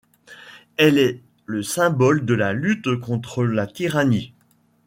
Elle est le symbole de la lutte contre la tyrannie.